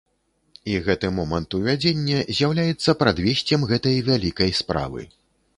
І гэты момант увядзення з'яўляецца прадвесцем гэтай вялікай справы.